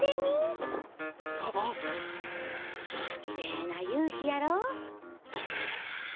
きれいな夕日やろ。